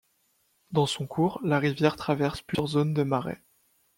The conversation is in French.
Dans son cours, la rivière traverse plusieurs zones de marais.